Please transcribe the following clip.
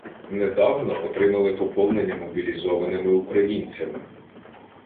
Недавно отримали поповнення мобілізованими українцями.